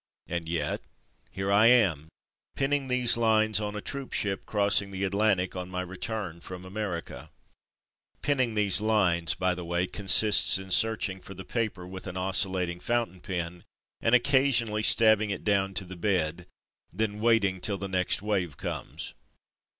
And yet, here I am, penning these lines on a troopship crossing the Atlantic on my return from America. ("Penning these lines/^ by the way, consists in searching for the paper with an oscillating fountain pen, and occasionally stabbing it down to the bed; then waiting till the next wave comes.)